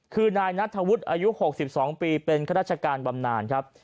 คือนายนัทธวุฒิอายุ๖๒ปีเป็นข้าราชการบำนานครับ